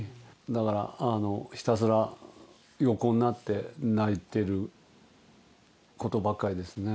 だからひたすら横になって泣いていることばかりですね。